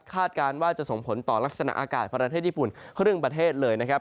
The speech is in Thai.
การว่าจะส่งผลต่อลักษณะอากาศประเทศญี่ปุ่นครึ่งประเทศเลยนะครับ